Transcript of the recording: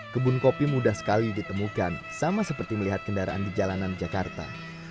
kebun kopi mudah sekali ditemukan sama seperti melihat kendaraan di jalanan jakarta